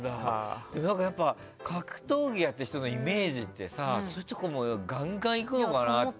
格闘技やっている人のイメージってそういうとこもガンガンいくのかなって。